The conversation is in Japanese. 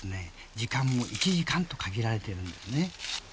時間も１時間と限られているんですね。